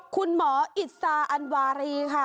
คุณหมออิสซาอันวารีค่ะ